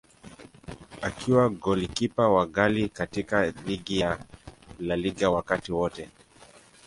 Akiwa golikipa wa ghali katika ligi ya La Liga wakati wote.